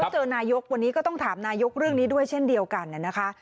เจอนายกวันนี้ก็ต้องถามนายกเรื่องนี้ด้วยเช่นเดียวกันนะคะ